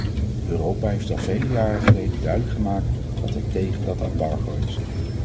Europa heeft al vele jaren geleden duidelijk gemaakt dat het tegen dat embargo is.